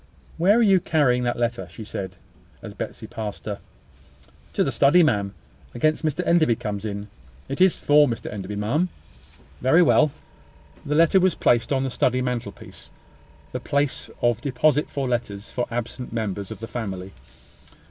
"Where are you carrying that letter?" said she, as Betsy passed her. "To the study, ma'am, against Mr Enderby comes in. It is for Mr Enderby, ma'am." "Very well." The letter was placed on the study mantelpiece; the place of deposit for letters for absent members of the family.